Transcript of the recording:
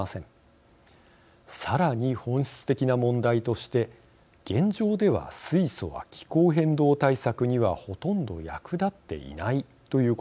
さらに本質的な問題として現状では水素は気候変動対策にはほとんど役立っていないということがあります。